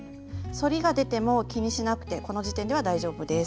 反りが出ても気にしなくてこの時点では大丈夫です。